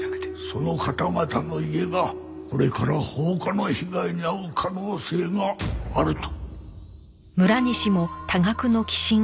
その方々の家がこれから放火の被害に遭う可能性があると。